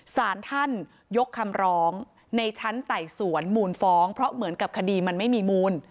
สารท่านยกคำร้องในชั้นไต่สวนมูลฟ้องเพราะเหมือนกับคดีมันไม่มีมูล